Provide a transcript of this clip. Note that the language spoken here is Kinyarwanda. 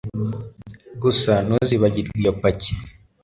Gusa ntuzibagirwe iyo paki